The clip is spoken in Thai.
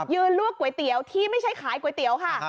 ลวกก๋วยเตี๋ยวที่ไม่ใช่ขายก๋วยเตี๋ยวค่ะ